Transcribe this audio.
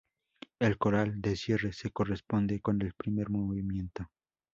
El coral de cierre se corresponde con el primer movimiento.